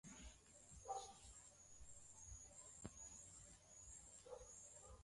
haraka katika lugha na utamaduni wa wenyeji lakini waliacha jina lao kwa sababu Rus